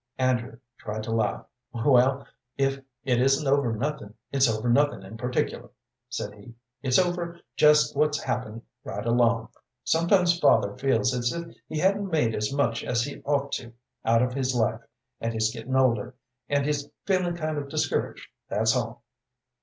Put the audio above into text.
Andrew tried to laugh. "Well, if it isn't over nothin', it's over nothin' in particular," said he; "it's over jest what's happened right along. Sometimes father feels as if he hadn't made as much as he'd ought to out of his life, and he's gettin' older, and he's feelin' kind of discouraged, that's all."